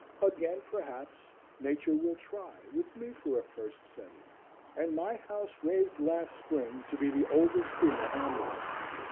Again, perhaps, Nature will try, with me for a first settler, and my house raised last spring to be the oldest in the hamlet.